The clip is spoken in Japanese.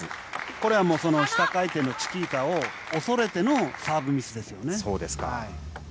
これは下回転のチキータを恐れてのサーブミスですね。